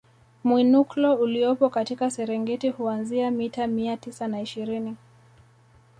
Mwinuklo uliopo katika Serengeti huanzia mita mia tisa na ishirini